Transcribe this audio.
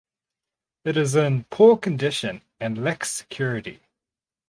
It is in poor condition and lacks security.